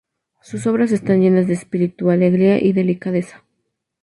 Sus obras están llenas de espíritu, alegría y delicadeza.